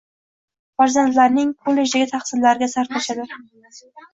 farzandlarining kollejdagi tahsillariga sarflashadi.